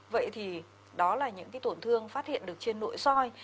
vậy thì đó là những cái tổn thương phát hiện được trên nội soi